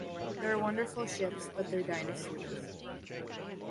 They're wonderful ships, but they're dinosaurs.